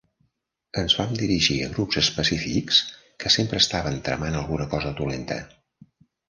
Ens vam dirigir a grups específics que sempre estaven tramant alguna cosa dolenta.